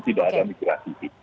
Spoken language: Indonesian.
tidak ada migrasi